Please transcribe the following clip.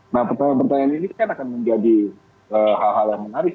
nah pertanyaan pertanyaan ini kan akan menjadi hal hal yang menarik